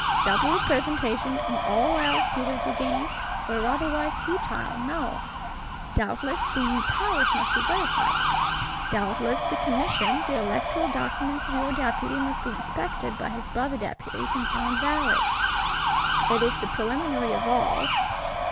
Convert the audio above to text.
Double representation, and all else hitherto gained, were otherwise futile, null. Doubtless, the "powers must be verified;"—doubtless, the Commission, the electoral Documents of your Deputy must be inspected by his brother Deputies, and found valid: it is the preliminary of all.